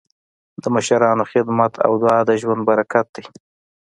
د مشرانو خدمت او دعا د ژوند برکت دی.